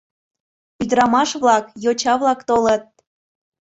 Ӱдырамаш-влак, йоча-влак толыт.